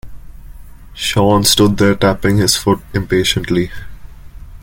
Sean stood there tapping his foot impatiently.